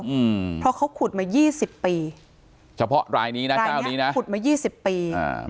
อืมเพราะเขาขุดมายี่สิบปีเฉพาะรายนี้นะเจ้านี้นะขุดมายี่สิบปีอ่า